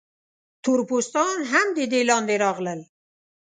تور پوستان هم د دې لاندې راغلل.